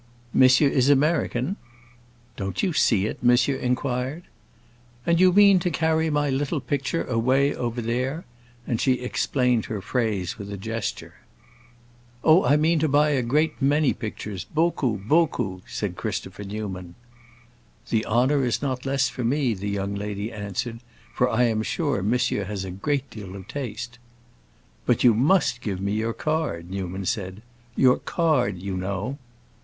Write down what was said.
"Monsieur is American?" "Don't you see it?" monsieur inquired. "And you mean to carry my little picture away over there?" and she explained her phrase with a gesture. "Oh, I mean to buy a great many pictures—beaucoup, beaucoup," said Christopher Newman. "The honor is not less for me," the young lady answered, "for I am sure monsieur has a great deal of taste." "But you must give me your card," Newman said; "your card, you know."